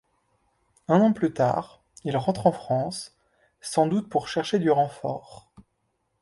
Un an plus tard, il rentre en France, sans doute pour chercher du renfort.